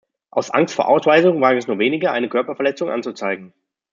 Aus Angst vor Ausweisung wagen es nur wenige, eine Körperverletzung anzuzeigen.